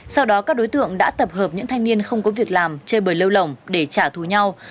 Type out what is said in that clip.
sau đó các đối tượng đã tập hợp những thanh niên không có việc làm chơi bời lêu lỏng để trả thù nhau